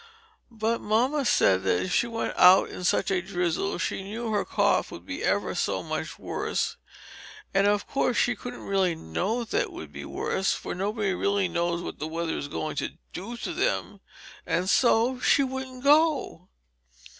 But mamma said that if she went out in such a drizzle she knew her cough would be ever so much worse and of course she couldn't really know that it would be worse, for nobody truly knows what the weather is going to do to them and so she wouldn't go.